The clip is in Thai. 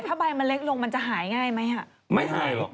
ถ้าใบมันเล็กลงมันจะหายง่ายไหม